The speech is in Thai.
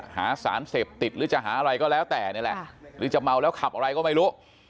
หาสารเสพติดหรือจะหาอะไรก็แล้วแต่นี่แหละหรือจะเมาแล้วขับอะไรก็ไม่รู้